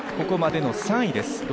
ここまでの３位です。